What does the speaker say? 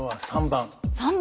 ３番。